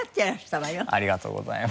ありがとうございます。